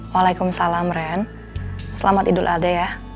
waalaikumsalam ren selamat idul adha ya